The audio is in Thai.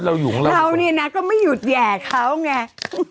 เรายังไม่หยุดแห่่เขาไง